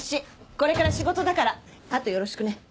これから仕事だからあとよろしくね。